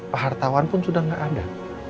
pahartawan pun sudah nggak ada